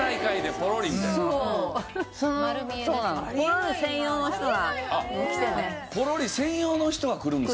ポロリ専用の人が来るんですか？